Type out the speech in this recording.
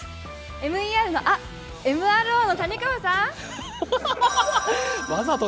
ＭＥＲあ、ＭＲＯの谷川さん。